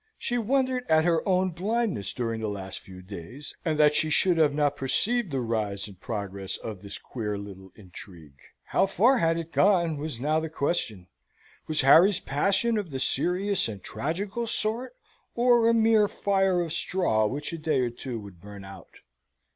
She wondered at her own blindness during the last few days, and that she should not have perceived the rise and progress of this queer little intrigue. How far had it gone? was now the question. Was Harry's passion of the serious and tragical sort, or a mere fire of straw which a day or two would burn out?